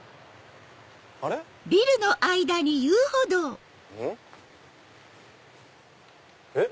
あれ⁉うん？えっ？